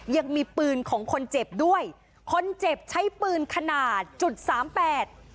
ยังมีปืนของคนเจ็บด้วยคนเจ็บใช้ปืนขนาดจุดสามแปด